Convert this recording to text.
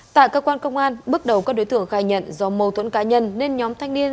tại cơ quan công an bước đầu các đối tượng khai nhận do mâu thuẫn cá nhân nên nhóm thanh niên